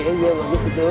oke dia bagus itu